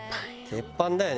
鉄板だよね